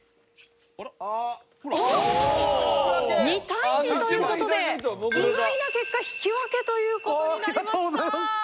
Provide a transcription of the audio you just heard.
２対２という事で意外な結果引き分けという事になりました！